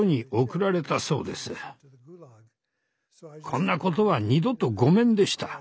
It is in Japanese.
こんなことは二度とごめんでした。